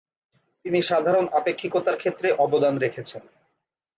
তিনি সাধারণ আপেক্ষিকতার ক্ষেত্রে অবদান রেখেছেন।